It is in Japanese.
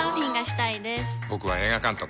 僕は映画監督。